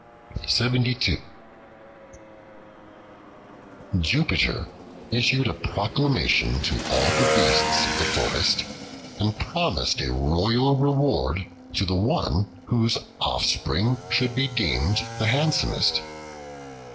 Jupiter and the Monkey JUPITER ISSUED a proclamation to all the beasts of the forest and promised a royal reward to the one whose offspring should be deemed the handsomest.